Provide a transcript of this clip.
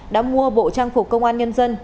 đã mua bộ trang phục công an nhân dân